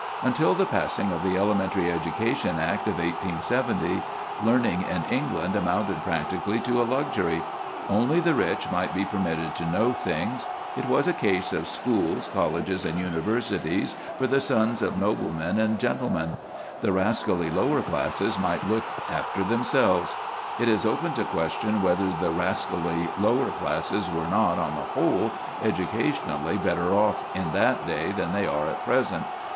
Until the passing of the Elementary Education Act of 1870, learning in England amounted practically to a luxury. Only the rich might be permitted to know things. It was a case of schools, colleges, and universities for the sons of noblemen and gentlemen. The rascally lower classes might look after themselves. It is open to question whether the rascally lower classes were not, on the whole, educationally better off in that day than they are at present.